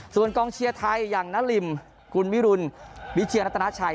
ส่วนกองเชียร์ไทยอย่างนาริมคุณวิรุณวิเชียรัตนาชัย